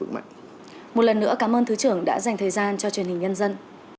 một lần nữa cảm ơn thứ trưởng đã dành thời gian cho truyền hình nhân dân